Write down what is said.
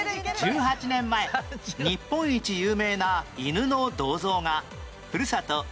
１８年前日本一有名な犬の銅像がふるさと